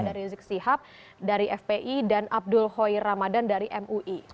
dari zik sihab dari fpi dan abdul hoy ramadhan dari mui